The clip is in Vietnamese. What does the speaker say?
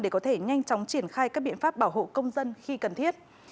để có thể nhanh chóng triển khai các biện pháp bảo hộ công dân khi cần thiết